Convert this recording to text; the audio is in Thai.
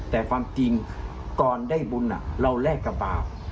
แต่ความจริงก่อนได้บุญเราแลกกับบาป